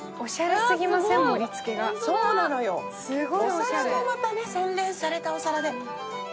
お皿もまた洗練されたお皿で。